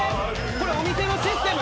これお店のシステム？